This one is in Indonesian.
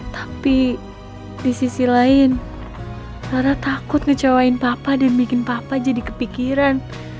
tapi di sisi lain karena takut ngecewain papa dan bikin papa jadi kepikiran